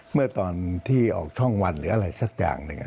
เมื่อตอนที่ออกช่องวันหรืออะไรสักอย่างหนึ่ง